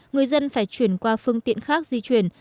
người dân phải chuyển qua phương tiện khác di chuyển